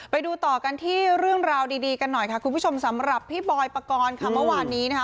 ไปดูต่อกันที่เรื่องราวดีกันหน่อยค่ะคุณผู้ชมสำหรับพี่บอยปกรณ์ค่ะเมื่อวานนี้นะคะ